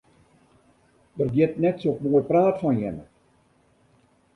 Der giet net sok moai praat fan jimme.